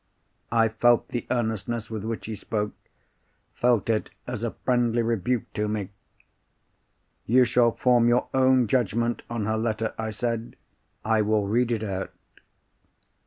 I felt the earnestness with which he spoke—felt it as a friendly rebuke to me. "You shall form your own judgment on her letter," I said. "I will read it out."